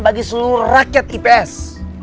bagi seluruh rakyat ips